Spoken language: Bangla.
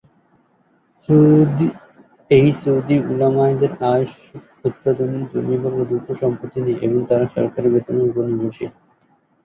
এই সৌদি উলামাদের আয়-উৎপাদনের জমি বা প্রদত্ত সম্পত্তি নেই এবং তারা সরকারী বেতনের নির্ভরশীল।